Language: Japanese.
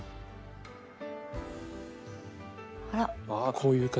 こういう形。